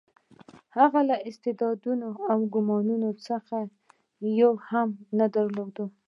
هغه له استعدادونو او کمالونو څخه یو هم نه درلود.